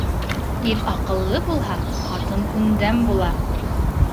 Ир аҡыллы булһа, ҡатын күндәм була.